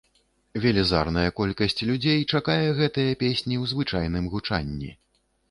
Велізарная колькасць людзей чакае гэтыя песні ў звычайным гучанні.